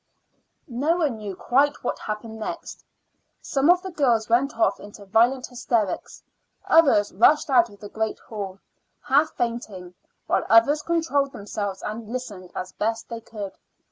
No one quite knew what happened next. Some of the girls went off into violent hysterics; others rushed out of the great hall, half fainting; while others controlled themselves and listened as best they could.